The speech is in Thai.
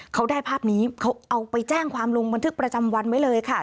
เขาได้ภาพนี้เขาเอาไปแจ้งความลงบันทึกประจำวันไว้เลยค่ะ